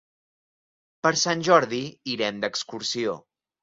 Per Sant Jordi irem d'excursió.